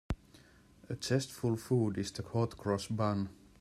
A zestful food is the hot-cross bun.